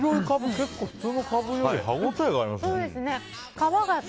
結構、普通のカブより歯応えがありますね。